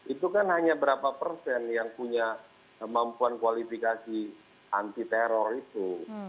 itu kan hanya berapa persen yang punya kemampuan kualifikasi anti teror itu